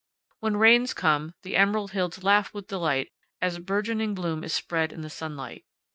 When rains come the emerald hills laugh with delight as bourgeoning bloom is spread in the sunlight.